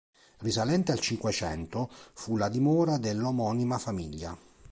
Risalente al Cinquecento, fu la dimora dell'omonima famiglia.